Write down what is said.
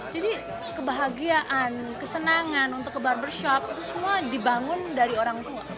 jadi kebahagiaan kesenangan untuk ke barber shop itu semua dibangun dari orang tua